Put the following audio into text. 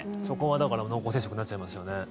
そこはだから濃厚接触になっちゃいますよね。